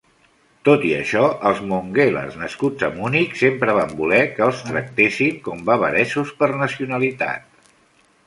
Tot i això, els Montgelas, nascuts a Munic, sempre van voler que els tractessin com bavaresos per nacionalitat.